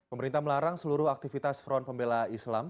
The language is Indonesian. pemerintah melarang seluruh aktivitas front pembela islam